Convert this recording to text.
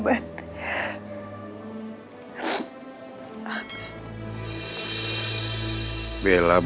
bella belum bisa melupakan afif